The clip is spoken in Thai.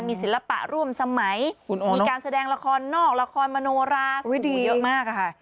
มีศิลปะร่วมสมัยมีการแสดงละครนอกละครมโนราซึ่งดูเยอะมากค่ะ